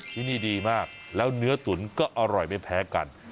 ที่นี่ดีมากแล้วเนื้อตุ๋นก็อร่อยไม่แพ้กัน